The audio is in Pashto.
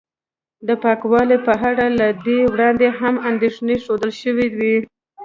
د پاکوالي په اړه له دې وړاندې هم اندېښنې ښودل شوې وې